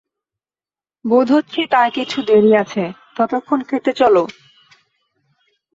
বোধ হচ্ছে তার কিছু দেরি আছে, ততক্ষণ খেতে চলো।